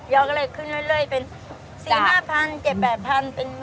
ยอเลยขึ้นเรื่อยเป็น๔๐๐๐๗๐๐๐เป็น๑๐๐๐๐๐